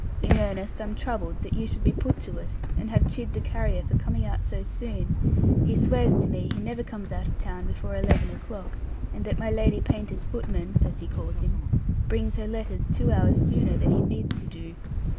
In earnest, I'm troubled that you should be put to it, and have chid the carrier for coming out so soon; he swears to me he never comes out of town before eleven o'clock, and that my Lady Paynter's footman (as he calls him) brings her letters two hours sooner than he needs to do.